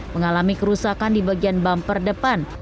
mengalami kerusakan di bagian bumper depan